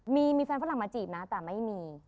มีแฟนฝรั่งมาจีบนะแต่ไม่มี